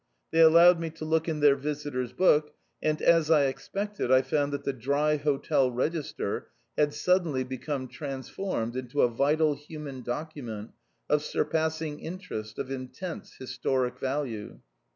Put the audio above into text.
They allowed me to look in their visitors' book, and as I expected, I found that the dry hotel register had suddenly become transformed into a vital human document, of surpassing interest, of intense historic value.